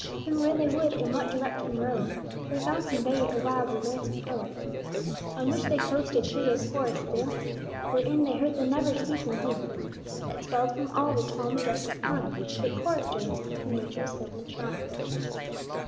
Turn where they would, in what direction rove, They found some bay, or wild, romantic cove, On which they coasted through those forests dim, Wherein they heard the never ceasing hymn That swelled from all the tall, majestic pines, Fit choristers of Nature's sylvan shrines.